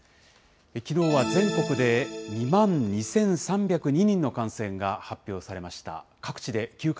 きのうは全国で２万２３０２人の感染が発表されました。